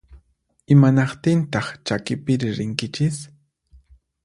Imanaqtintaq chakipiri rinkichis?